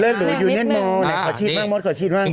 เลอดหลูอยู่เงินโมขอชีดบ้างมดขอชีดบ้าง